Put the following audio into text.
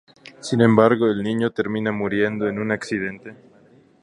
Sin embargo el niño termina muriendo en un accidente.